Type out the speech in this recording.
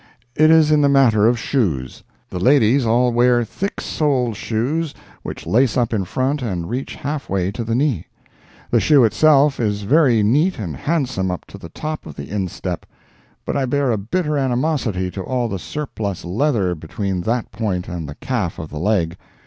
It is in the matter of shoes. The ladies all wear thick soled shoes which lace up in front and reach half way to the knees. The shoe itself is very neat and handsome up to the top of the instep—but I bear a bitter animosity to all the surplus leather between that point and the calf of the leg.